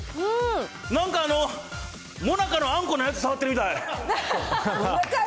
なんかあの、もなかのあんこのやつ触ってるみたい。